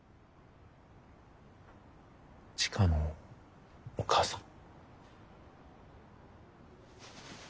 千佳のお母さん？